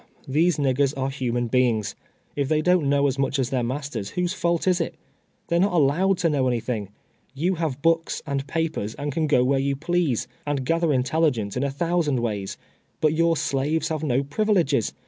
These niggers are human beings. If they don't know as much as their masters, w hose fault is it ? They are not allowed to know anything. You have books and papers, and can go where you please, and gather intelligence in a thousand ways. But your slaves have no privileges.